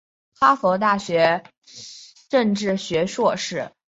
哈佛大学政治学硕士。